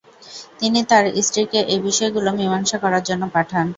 তিনি তার স্ত্রীকে এই বিষয়গুলো মীমাংসা করার জন্য পাঠান।